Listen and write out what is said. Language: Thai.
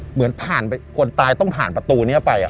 เหมือนผ่านไปคนตายต้องผ่านประตูนี้ไป